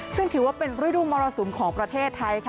ซึ่งถือว่าเป็นฤดูมรสุมของประเทศไทยค่ะ